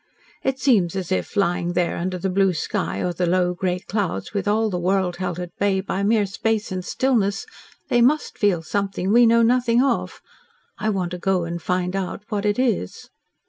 It seems as if, lying there under the blue sky or the low grey clouds with all the world held at bay by mere space and stillness, they must feel something we know nothing of. I want to go and find out what it is."